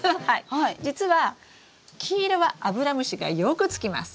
実は黄色はアブラムシがよくつきます。